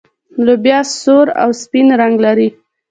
لوبیا سور او سپین رنګ لري.